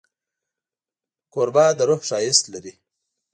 کوربه د روح ښایست لري.